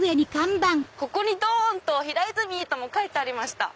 ここにドンと「平泉」とも書いてありました。